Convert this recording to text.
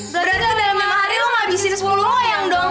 berarti dalam lima hari lo gak abisin semuanya lo ayang dong